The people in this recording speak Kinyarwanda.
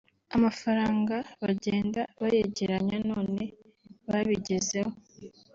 amafaranga bagenda bayegeranya none babigezeho